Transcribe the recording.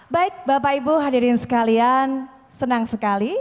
baik bapak ibu hadirin sekalian senang sekali